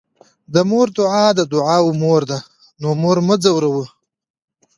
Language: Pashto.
د مور دعاء د دعاوو مور ده، نو مور مه ځوروه